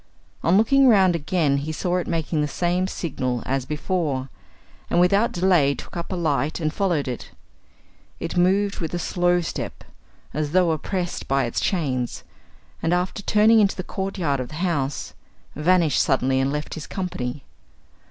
On looking round again, he saw it making the same signal as before, and without delay took up a light and followed it. It moved with a slow step, as though oppressed by its chains, and, after turning into the courtyard of the house, vanished suddenly and left his company.